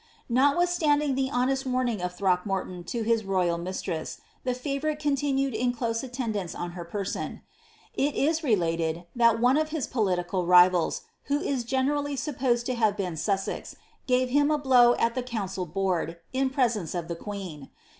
"* Notwithstanding the honest warning of Throckmorton to his royal mistress, the favourite continued in close attendance on her person, ft 'Burleigh's State Papers. *HBLxdv.wt Papers, 165. ■ LIZABETH. 143 ii idafed that one of his political rivals, who is generally supposed to have beea Sussex, gave him a blow at the council board, in presence of the queea.